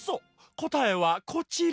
こたえはこちら！